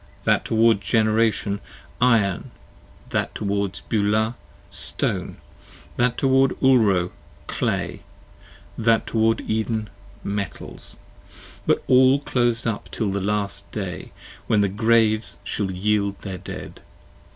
That towards Generation, iron; that toward Beulah, stone: 10 That toward Ulro, clay; that toward Eden, metals: But all clos'd up till the last day, when the graves shall yield their dead.